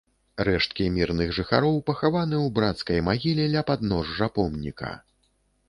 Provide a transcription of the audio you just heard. Рэшткі мірных жыхароў пахаваны ў брацкай магіле ля падножжа помніка.